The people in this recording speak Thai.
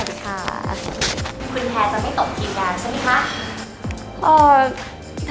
คุณแท้จะไม่ตบทีมงานใช่มั้ยคะ